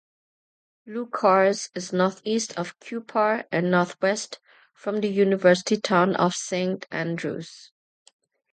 Leuchars is north-east of Cupar and north-west from the university town of Saint Andrews.